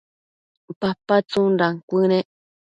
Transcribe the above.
papa tsundan cuënec